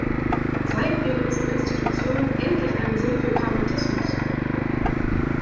Zeigen wir in unseren Institutionen endlich einen Sinn für Pragmatismus!